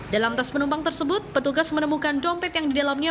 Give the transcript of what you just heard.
dalam tas penumpang tersebut petugas menemukan dompet yang didalamnya